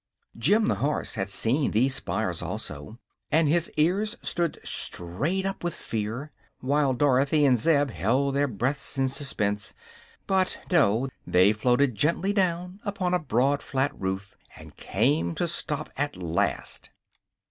Jim the horse had seen these spires, also, and his ears stood straight up with fear, while Dorothy and Zeb held their breaths in suspense. But no; they floated gently down upon a broad, flat roof, and came to a stop at last.